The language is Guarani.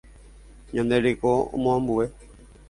Ñande reko omoambue.